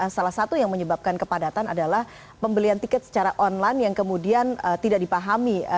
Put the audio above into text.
salah satu yang menyebabkan kepadatan adalah pembelian tiket secara online yang kemudian tidak dipahami